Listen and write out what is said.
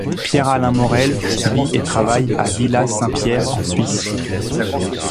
Pierre-Alain Morel vit et travaille à Villaz-Saint-Pierre, en Suisse.